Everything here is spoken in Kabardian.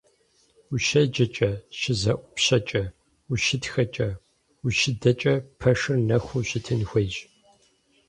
УщеджэкӀэ, щызэӀупщэкӀэ, ущытхэкӀэ, ущыдэкӀэ пэшыр нэхуу щытын хуейщ.